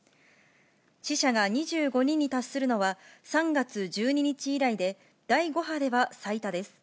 死者が２５人に達するのは、３月１２日以来で、第５波では最多です。